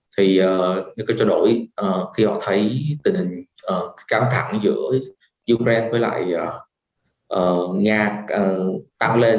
thì những cái trao đổi khi họ thấy tình hình căng thẳng giữa ukraine với lại nga tăng lên